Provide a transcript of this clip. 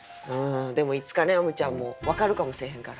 でもいつかねあむちゃんも分かるかもせえへんから。